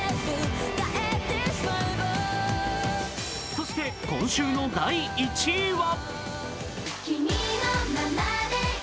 そして今週の第１位は？＝